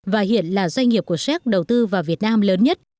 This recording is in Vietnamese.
và hiện là doanh nghiệp của séc đầu tư vào việt nam lớn nhất